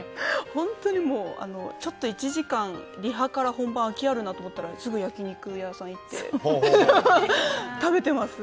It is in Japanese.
本当にもうちょっと１時間リハから本番空きあるなと思ったらすぐ焼き肉屋さんに行って食べてます。